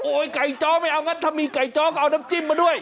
ไก่จ้อไม่เอางั้นถ้ามีไก่จ้อก็เอาน้ำจิ้มมาด้วย